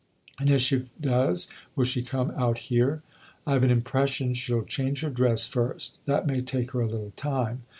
" And if she does, will she come out here ?"" I've an impression she'll change her dress first. That may take her a little time."